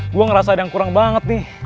gue ngerasa ada yang kurang banget nih